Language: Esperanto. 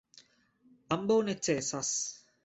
Ambaŭ necesas.